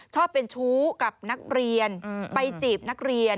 ชอบเป็นชู้กับนักเรียนไปจีบนักเรียน